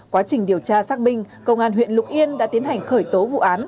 quá trình điều tra xác minh công an huyện lục yên đã tiến hành khởi tố vụ án